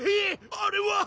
あれは！